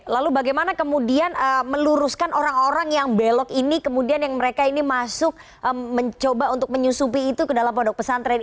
lalu bagaimana kemudian meluruskan orang orang yang belok ini kemudian yang mereka ini masuk mencoba untuk menyusupi itu ke dalam pondok pesantren